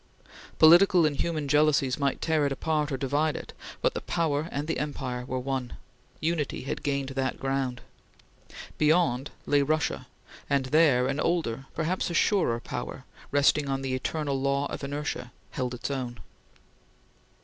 Political and human jealousies might tear it apart or divide it, but the power and the empire were one. Unity had gained that ground. Beyond lay Russia, and there an older, perhaps a surer, power, resting on the eternal law of inertia, held its own.